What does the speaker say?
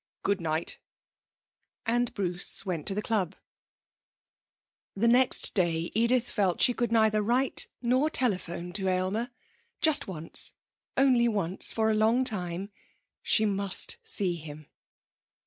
'Good night.' And Bruce went to the club. The next day Edith felt she could neither write nor telephone to Aylmer. Just once only once, for a long time she must see him.